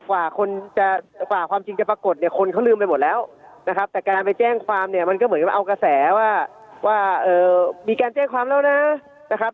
กว่าความจริงจะปรากฏเนี่ยคนเขาลืมไปหมดแล้วนะครับแต่การไปแจ้งความเนี่ยมันก็เหมือนกับเอากระแสว่าว่ามีการแจ้งความแล้วนะนะครับ